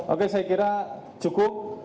oke saya kira cukup